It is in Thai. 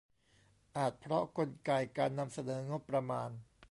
อาจเพราะกลไกการนำเสนองบประมาณ